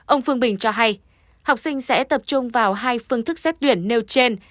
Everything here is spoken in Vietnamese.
ông phương bình cho hay học sinh sẽ tập trung vào hai phương thức xét tuyển nêu trên